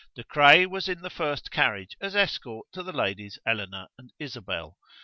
De Craye was in the first carriage as escort to the ladies Eleanor and Isabel.